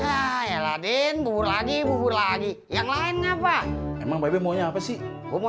ya voir dan belek bubur lagi bubur lagi yang lainnya pak emang bay bay maunya apa sih mau